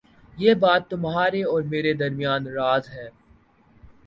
یہ بات تمہارے اور میرے درمیان راز ہے